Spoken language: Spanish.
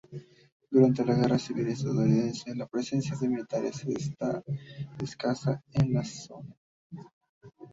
Durante la Guerra Civil Estadounidense la presencia de militares fue escasa en la zona.